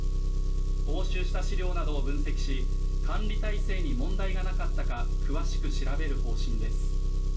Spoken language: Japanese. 押収した資料などを分析し管理体制に問題がなかったか詳しく調べる方針です